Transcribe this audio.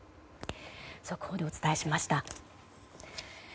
速報でお伝えしました。